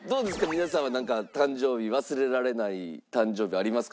皆さんはなんか誕生日忘れられない誕生日ありますか？